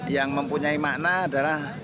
yang mempunyai makna adalah